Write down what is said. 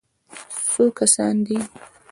_څو کسان دي؟